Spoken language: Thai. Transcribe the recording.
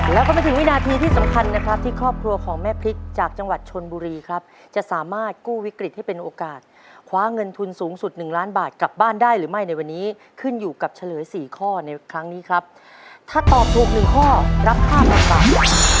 แล้วก็มาถึงวินาทีที่สำคัญนะครับที่ครอบครัวของแม่พริกจากจังหวัดชนบุรีครับจะสามารถกู้วิกฤตให้เป็นโอกาสคว้าเงินทุนสูงสุดหนึ่งล้านบาทกลับบ้านได้หรือไม่ในวันนี้ขึ้นอยู่กับเฉลยสี่ข้อในครั้งนี้ครับถ้าตอบถูกหนึ่งข้อรับ๕๐๐๐บาท